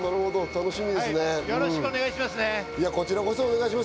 よろしくお願いします。